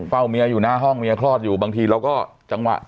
เฝ้าเมียอยู่หน้าห้องเมียคลอดอยู่บางทีเราก็จังหวะ